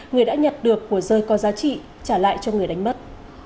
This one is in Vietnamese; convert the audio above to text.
người đã nhặt được của rơi có giá trị trả lại cho người đánh mất